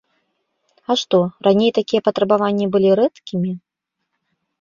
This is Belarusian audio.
А што, раней такія патрабаванні былі рэдкімі?